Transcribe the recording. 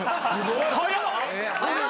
早っ。